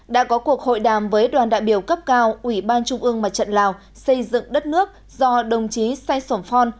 đã có cuộc hội đàm với đoàn đại biểu cấp cao ủy ban trung ương mặt trận lào xây dựng đất nước do đồng chí sai sổn phon